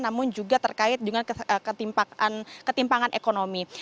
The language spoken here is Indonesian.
namun juga terkait dengan ketimpangan ekonomi